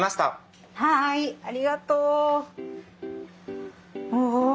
はいありがとう。お。